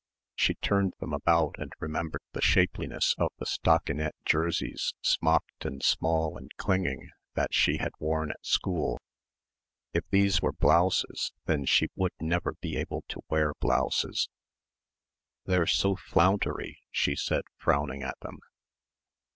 She turned them about and remembered the shapeliness of the stockinette jerseys smocked and small and clinging that she had worn at school. If these were blouses then she would never be able to wear blouses.... "They're so flountery!" she said, frowning at them.